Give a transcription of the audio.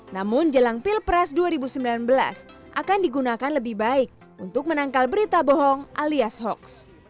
namun jelang pilpres dua ribu sembilan belas akan digunakan lebih baik untuk menangkal berita bohong alias hoax